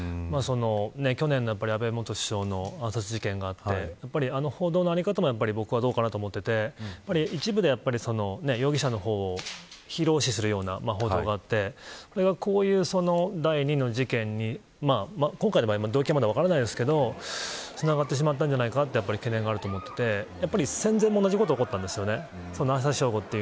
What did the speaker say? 去年の安倍元首相の暗殺事件があってあの報道の在り方も僕はどうかなと思っていて一部では容疑者の方をヒーロー視するような報道があってそれが、こういう第２の事件に今回の場合動機はまだ分からないですがつながってしまったんじゃないかという懸念があると思っていて戦前も同じことが起こったんですよね。